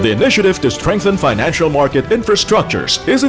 inisiatif untuk memperkuat infrastruktur pasar finansial